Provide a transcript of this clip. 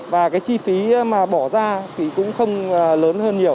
và cái chi phí mà bỏ ra thì cũng không lớn hơn nhiều